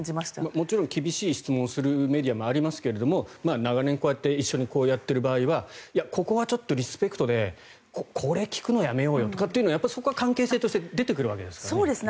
もちろん厳しい質問をするメディアもありますけれど長年こうやって一緒にやっている場合にはここはちょっとリスペクトでこれ聞くのはやめようよとかやっぱりそこは関係性として出てくるわけですからね。